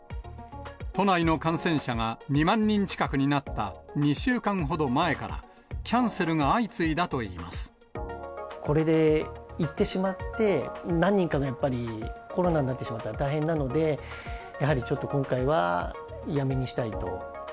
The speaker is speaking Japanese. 都内の感染者が２万人近くになった２週間ほど前から、キャンセルこれで行ってしまって、何人かがやっぱりコロナになってしまったら大変なので、やはりちょっと今回はやめにしたいと。